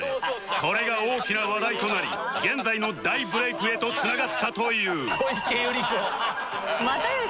これが大きな話題となり現在の大ブレークへと繋がったという小池百合子！